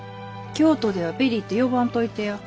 京都ではベリーて呼ばんといてや。